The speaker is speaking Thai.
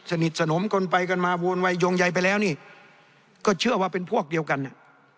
สนิทสนมกันไปกันมาโวนวัยยงใยไปแล้วนี่ก็เชื่อว่าเป็นพวกเดียวกันอ่ะ